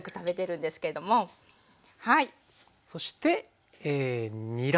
そしてにら。